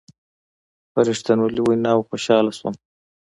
په رښتنوني ویناوو خوشحاله شوم.